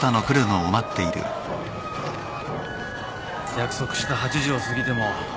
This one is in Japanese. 約束した８時を過ぎても。